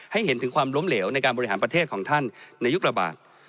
เห็นถึงความล้มเหลวในการบริหารประเทศของท่านในยุคระบาด